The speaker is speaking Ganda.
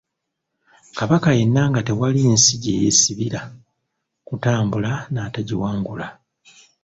Kabaka yenna nga tewali nsi gye yeesibira kutabaala n'atagiwangula.